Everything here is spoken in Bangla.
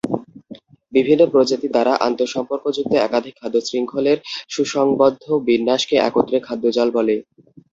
বিভিন্ন প্রজাতি দ্বারা, আন্তসম্পর্কযুক্ত একাধিক খাদ্যশৃঙ্খলের সুসংবদ্ধ বিন্যাসকে একত্রে খাদ্যজাল বলে।